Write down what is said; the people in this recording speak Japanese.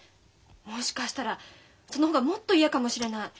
もしかしたらその方がもっと嫌かもしれない。